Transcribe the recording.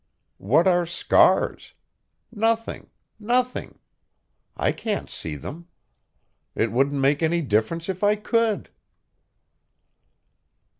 What are scars? Nothing, nothing. I can't see them. It wouldn't make any difference if I could."